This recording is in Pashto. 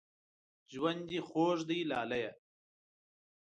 ژوند دې خوږ دی لالیه